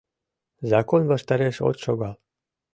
— Закон ваштареш от шогал...